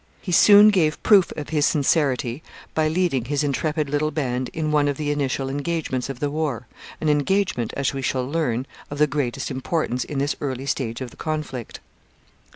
He soon gave proof of his sincerity by leading his intrepid little band in one of the initial engagements of the war, an engagement, as we shall learn, of the greatest importance in this early stage of the conflict.